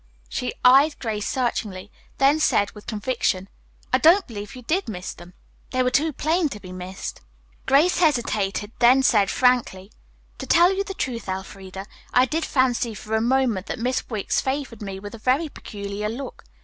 She eyed Grace searchingly, then said, with conviction, "I don't believe you did miss them. They were too plain to be missed." Grace hesitated, then said frankly: "To tell you the truth, Elfreda, I did fancy for a moment that Miss Wicks favored me with a very peculiar look.